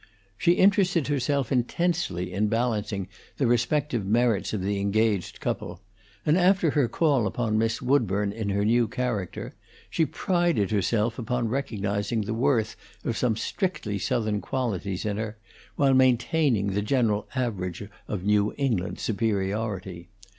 She interested herself intensely in balancing the respective merits of the engaged couple, and after her call upon Miss Woodburn in her new character she prided herself upon recognizing the worth of some strictly Southern qualities in her, while maintaining the general average of New England superiority.